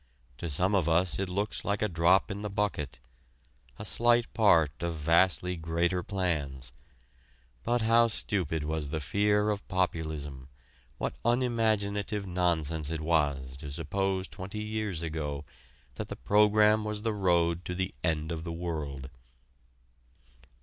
To some of us it looks like a drop in the bucket a slight part of vastly greater plans. But how stupid was the fear of Populism, what unimaginative nonsense it was to suppose twenty years ago that the program was the road to the end of the world.